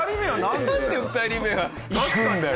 なんで２人目は行くんだよ。